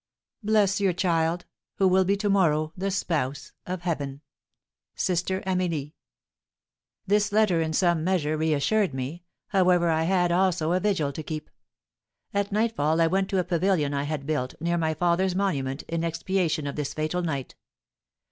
Bless your child, who will be to morrow the spouse of Heaven. "SISTER AMELIE." This letter, in some measure, reassured me; however I had, also, a vigil to keep. At nightfall I went to a pavilion I had built, near my father's monument, in expiation of this fatal night.